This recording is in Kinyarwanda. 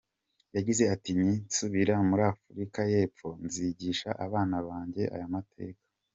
Yagize ati “Ninsubira muri Afurika y’Epfo nzigisha abana banjye aya mateka.